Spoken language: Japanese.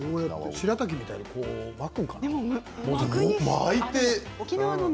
しらたきみたいなもので巻くのかな？